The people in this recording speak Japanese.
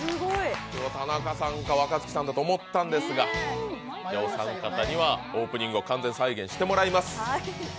田中さんか若槻さんだと思ったんですが、お三方にはオープニングを完全再現してもらいます。